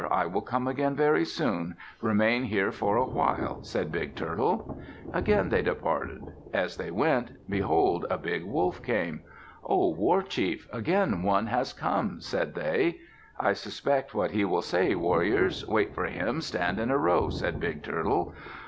I will come again very soon. Remain here for a while," said Big Turtle. Again they departed. As they went, behold, a Big Wolf came. "O war chief, again one has come," said they. "I suspect what he will say, warriors. Wait for him. Stand in a row," said Big Turtle.